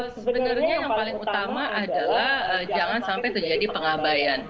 sebenarnya yang paling utama adalah jangan sampai terjadi pengabayan